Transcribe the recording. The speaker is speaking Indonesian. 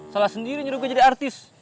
salah sendirinya gua jadi artis